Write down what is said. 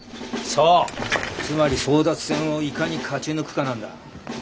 そうつまり争奪戦をいかに勝ち抜くかなんだ。